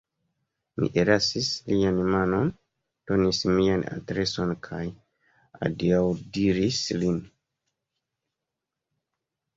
Mi ellasis lian manon, donis mian adreson kaj adiaŭdiris lin.